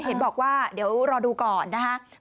เห็นบอกว่าเดี๋ยวรอดูก่อนนะคะ